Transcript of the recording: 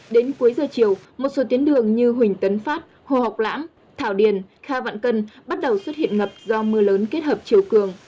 đến cuối giờ chiều một số tuyến đường như huỳnh tấn phát hồ học lãm thảo điền kha vạn cân bắt đầu xuất hiện ngập do mưa lớn kết hợp chiều cường